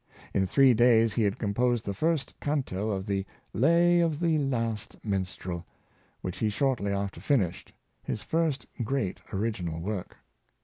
In three days he had composed the first canto of " The Lay of the Last Minstrel," which he shortl}' after finished — his first great original work.